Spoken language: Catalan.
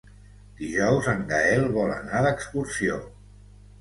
Dijous en Gaël vol anar d'excursió.